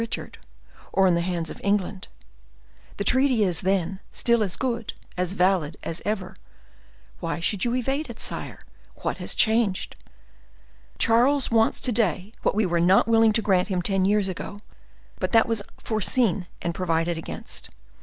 Richard or in the hands of England. The treaty is, then, still as good, as valid as ever. Why should you evade it, sire? What is changed? Charles wants to day what we were not willing to grant him ten years ago; but that was foreseen and provided against.